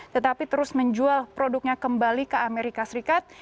tetapi terus menjual produknya kembali ke amerika serikat